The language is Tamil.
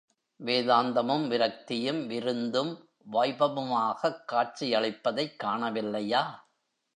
வேதாந்தமும் விரக்தியும், விருந்தும், வைபவமுமாகக் காட்சியளிப்பதைக் காணவில்லையா?